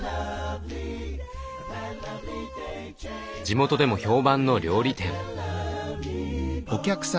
地元でも評判の料理店。